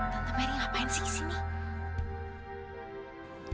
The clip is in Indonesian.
tante mary ngapain sih di sini